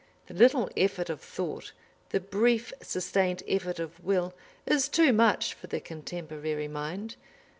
The little effort of thought, the brief sustained effort of will, is too much for the contemporary mind.